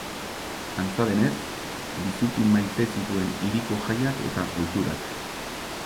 Antza denez, biziki maite zituen hiriko jaiak eta ohiturak.